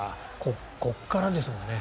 ここからですもんね。